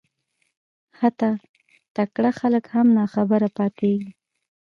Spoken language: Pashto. حتی تکړه خلک هم ناخبره پاتېږي